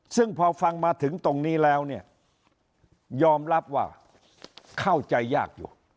ซึ่งพอฟังมาถึงตรงนี้แล้วเนี่ยยอมรับว่าเข้าใจยากอยู่